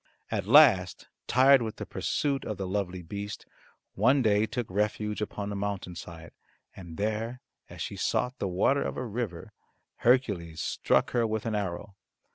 At last tired with the pursuit the lovely beast one day took refuge upon a mountain side, and there as she sought the water of a river, Hercules struck her with an arrow.